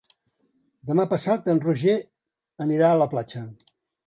Demà passat en Roger anirà a la platja.